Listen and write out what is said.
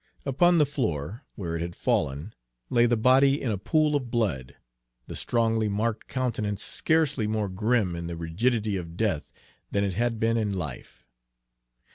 Upon the floor, where it had fallen, lay the body in a pool of blood, the strongly marked countenance scarcely more grim in the rigidity of death than it had been in life.